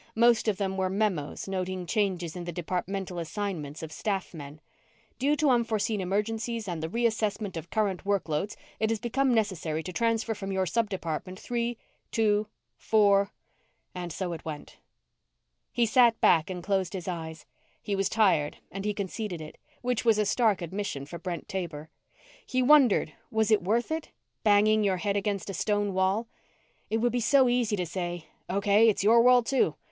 Most of them were memos noting changes in the departmental assignments of staff men: _Due to unforeseen emergencies and the reassessment of current workloads it has become necessary to transfer from your subdepartment three ... two ... four ..._ And so it went. He sat back and closed his eyes. He was tired and he conceded it, which was a stark admission for Brent Taber. And he wondered: Was it worth it? Banging your head against a stone wall. It would be so easy to say, _Okay, it's your world, too.